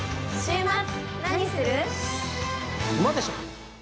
ウマでしょ！